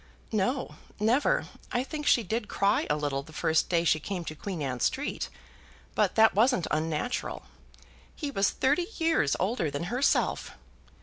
"No, never; I think she did cry a little the first day she came to Queen Anne Street, but that wasn't unnatural." "He was thirty years older than herself."